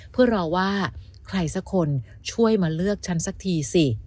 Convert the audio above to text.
เพื่อรอว่าใครสักคนช่วยมาเลือกฉันสักทีสิ